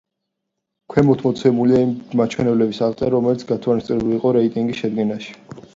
ქვემოთ მოცემულია იმ მაჩვენებლების აღწერა, რომლებიც გათვალისწინებული იყო რეიტინგის შედგენაში.